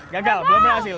gagal belum berhasil